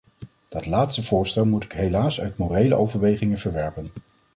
Dat laatste voorstel moet ik helaas uit morele overwegingen verwerpen.